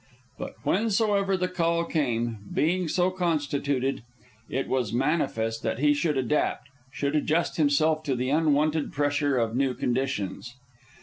But whensoever the call came, being so constituted, it was manifest that he should adapt, should adjust himself to the unwonted pressure of new conditions.